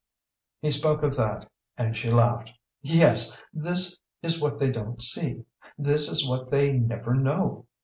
He spoke of that, and she laughed. "Yes, this is what they don't see. This is what they never know.